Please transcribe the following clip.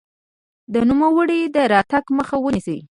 د نوموړي د راتګ مخه ونیسي.